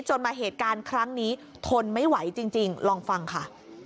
มาเหตุการณ์ครั้งนี้ทนไม่ไหวจริงลองฟังค่ะ